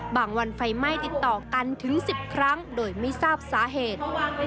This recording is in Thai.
วันไฟไหม้ติดต่อกันถึง๑๐ครั้งโดยไม่ทราบสาเหตุ